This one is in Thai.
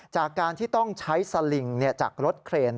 จากการที่ต้องใช้สลิงจากรถเครน